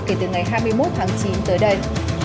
kể từ ngày hai mươi một tháng chín tới đây